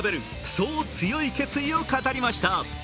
そう、強い決意を語りました。